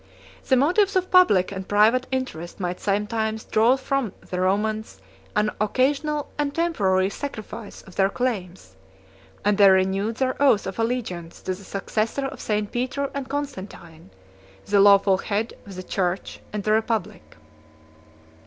The motives of public and private interest might sometimes draw from the Romans an occasional and temporary sacrifice of their claims; and they renewed their oath of allegiance to the successor of St. Peter and Constantine, the lawful head of the church and the republic.